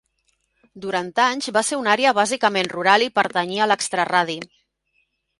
Durant anys va ser una àrea bàsicament rural i pertanyia a l'extraradi.